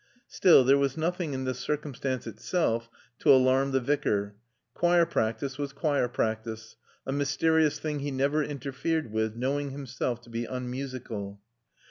Still, there was nothing in this circumstance itself to alarm the Vicar. Choir practice was choir practice, a mysterious thing he never interfered with, knowing himself to be unmusical.